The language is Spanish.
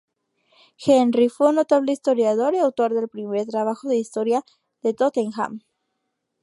Henry fue un notable historiador y autor del primer trabajo de historia de Tottenham.